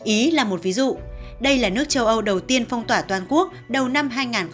ý là một ví dụ đây là nước châu âu đầu tiên phong tỏa toàn quốc đầu năm hai nghìn một mươi tám